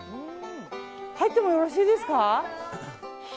入ってもよろしいですか。